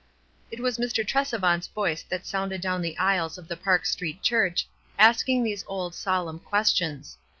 It was Mr. Tresevant's voice that sounded down the aisles of the Park Street Church, ask ing these old, solemn questions.